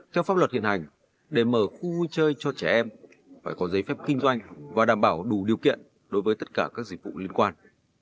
theo pháp luật hiện hành để mở khu vui chơi cho trẻ em phải có giấy phép kinh doanh và đảm bảo đủ điều kiện đối với tất cả các dịch vụ liên quan